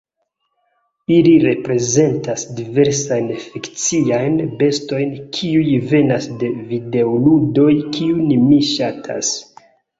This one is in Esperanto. Ili reprezentas diversajn fikciajn bestojn, kiuj venas de videoludoj, kiujn mi ŝatas.